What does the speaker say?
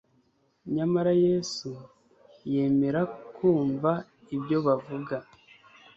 Nyamara Yesu yemera kumva ibyo bavuga.